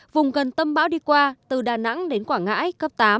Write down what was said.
vùng gần tâm bão đi qua từ đà nẵng đến quảng ngãi cấp tám